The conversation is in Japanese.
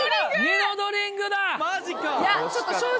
ニノドリング！！！